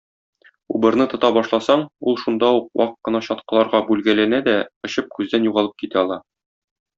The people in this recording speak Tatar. Убырны тота башласаң, ул шунда ук вак кына чаткыларга бүлгәләнә дә очып күздән югалып китә ала.